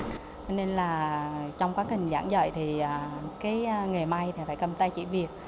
cho nên là trong quá trình giảng dạy thì cái nghề may thì phải cầm tay chỉ việc